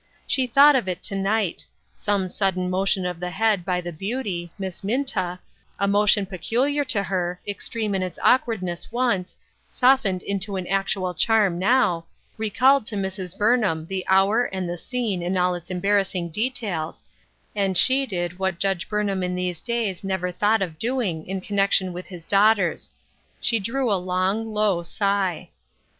She thought of it to night ; some sudden motion of the head by the beauty, Miss Minta, a motion peculiar to her, extreme in its awkwardness once, softened into an actual charm now, recalled to Mrs. Burnham the hour and the scene in all its embarrassing details, and she did what Judge Burnham in these days never thought of doing in connection with his daughters : she drew a long, low sigh.